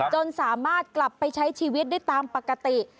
จนสามารถกลับไปใช้ชีวิตได้ตามปกติ